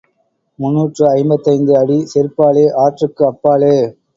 முன்னூற்று ஐம்பத்தைந்து அடி செருப்பாலே, ஆற்றுக்கு அப்பாலே.